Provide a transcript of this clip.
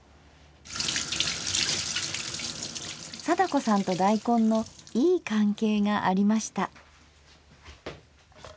貞子さんと大根のいい関係がありました。